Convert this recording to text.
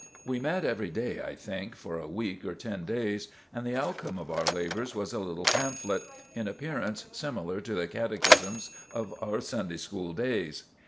We met every day, I think, for a week or ten days, and the outcome of our labors was a little pamphlet, in appearance similar to the catechisms of our Sunday School days.